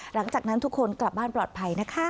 หลังจากนั้นทุกคนกลับบ้านปลอดภัยนะคะ